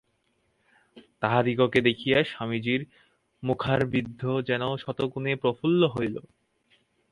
তাহাদিগকে দেখিয়া স্বামীজীর মুখারবিন্দ যেন শতগুণে প্রফুল্ল হইল।